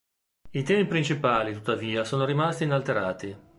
I temi principali tuttavia sono rimasti inalterati.